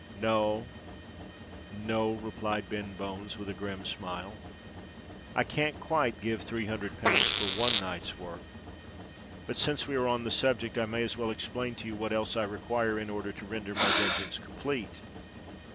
"No—no," replied Ben Bones, with a grim smile: "I can't quite give three hundred pounds for one night's work. But since we are on the subject, I may as well explain to you what else I require in order to render my vengeance complete."